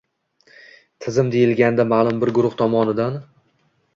Tizim deyilganda ma’lum bir guruh tomonidan